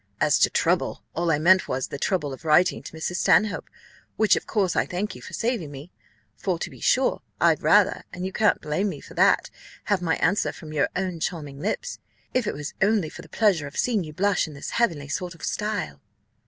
As to trouble, all I meant was, the trouble of writing to Mrs. Stanhope, which of course I thank you for saving me; for to be sure, I'd rather (and you can't blame me for that) have my answer from your own charming lips, if it was only for the pleasure of seeing you blush in this heavenly sort of style."